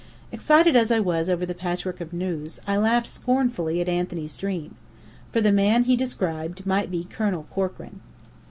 Excited as I was over the patchwork of news, I laughed scornfully at Anthony's dream. For the man he described might be Colonel Corkran.